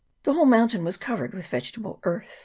The whole mountain was covered with vegetable earth.